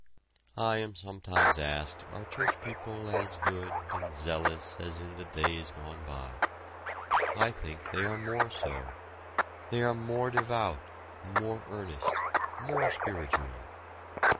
I am sometimes asked are church people as good and zealous as in the days gone by. I think they are more so. They are more devout, more earnest, more spiritual.